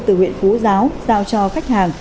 từ huyện phú giáo giao cho khách hàng